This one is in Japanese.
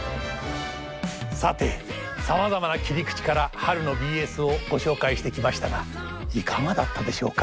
さてさまざまな切り口から春のＢＳをご紹介してきましたがいかがだったでしょうか。